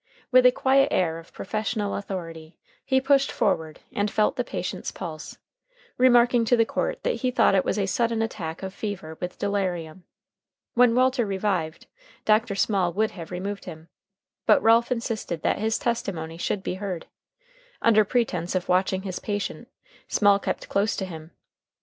With a quiet air of professional authority he pushed forward and felt the patient's pulse, remarking to the court that he thought it was a sudden attack of fever with delirium. When Walter revived, Dr. Small would have removed him, but Ralph insisted that his testimony should be heard. Under pretense of watching his patient, Small kept close to him.